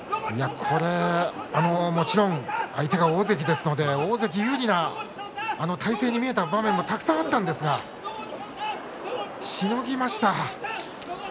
もちろん相手は大関ですので大関有利な体勢に見えた場面もたくさんあったんですがしのぎました。